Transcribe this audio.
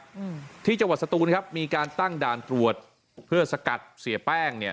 อืมที่จังหวัดสตูนครับมีการตั้งด่านตรวจเพื่อสกัดเสียแป้งเนี้ย